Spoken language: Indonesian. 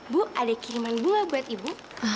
bu ada kiriman bunga buat ibu